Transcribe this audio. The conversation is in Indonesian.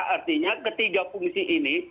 artinya ketiga fungsi ini